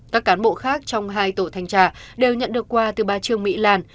các cán bộ khác trong hai tổ thanh tra đều nhận được quà từ ba trường mỹ làn